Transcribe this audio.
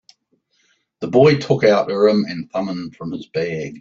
The boy took out Urim and Thummim from his bag.